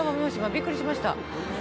びっくりしました。